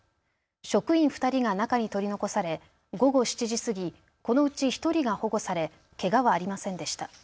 職員２人が中に取り残され午後７時過ぎ、このうち１人が保護され、けがはありませんでした。